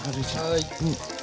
はい。